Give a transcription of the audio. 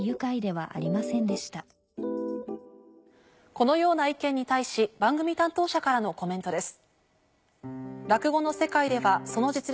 このような意見に対し番組担当者からのコメントです。